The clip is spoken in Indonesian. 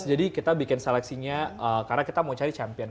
jadi kita bikin seleksinya karena kita mau cari champion